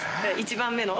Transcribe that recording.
１番目の。